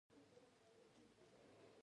دا زما شعر دی